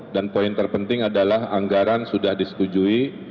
dan poin terpenting adalah anggaran sudah disetujui